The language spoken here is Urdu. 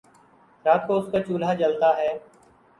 رات کو اس کا چولہا جلتا ہے